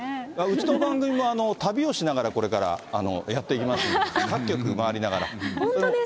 うちの番組も旅をしながらこれから、やっていきますんで。